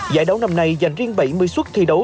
giải đấu năm nay dành riêng bảy mươi suất thi đấu